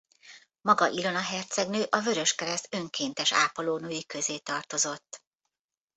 Maga Ilona hercegnő a Vöröskereszt önkéntes ápolónői közé tartozott.